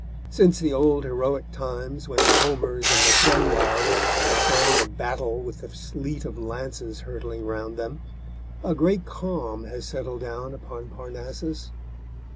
Since the old heroic times when the Homers and the Gunnlaugs sang of battle with the sleet of lances hurtling around them, a great calm has settled down upon Parnassus.